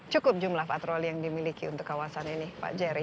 cukup jumlah patroli yang dimiliki untuk kawasan ini pak jerry